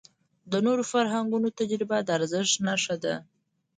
د نورو فرهنګونو تجربه د ارزښت نښه ده.